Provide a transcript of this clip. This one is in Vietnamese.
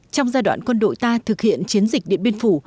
trong giai đoạn quân đội ta thực hiện chiến dịch điện biên phủ